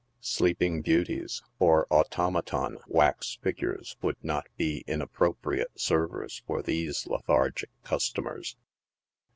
Sleeping beauties, or automaton wax figures would not bo inappropriate servers for these lethargic customers.